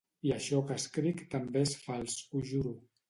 I això que escric també és fals, ho juro.